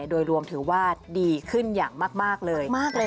โดยรวมถือว่าดีขึ้นอย่างมากเลย